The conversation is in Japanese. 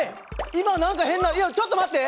今何か変なちょっと待って。